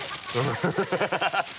ハハハ